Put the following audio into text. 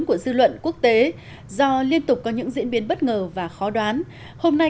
của dư luận quốc tế do liên tục có những diễn biến bất ngờ và khó đoán hôm nay